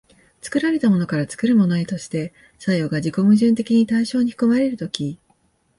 作られたものから作るものへとして作用が自己矛盾的に対象に含まれる時、